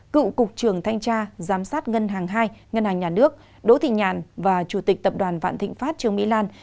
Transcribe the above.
cựu cục trưởng thanh tra giám sát ngân hàng hai ngân hàng nhà nước đỗ thị nhàn và chủ tịch tập đoàn vạn thịnh pháp trương mỹ lan